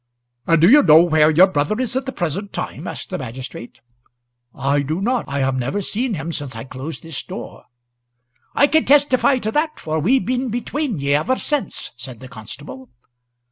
"And do you know where your brother is at the present time?" asked the magistrate. "I do not. I have never seen him since I closed this door." "I can testify to that, for we've been between ye ever since," said the constable.